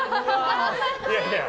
いやいや。